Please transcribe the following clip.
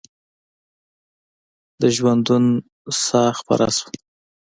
د ژوندون ساه خپره شوه